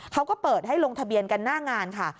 เขาก็เปิดให้ลงทะเบียนกันหน้างานค่ะ